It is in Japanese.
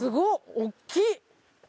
おっきい！